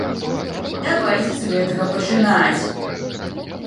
Давайце з гэтага пачынаць.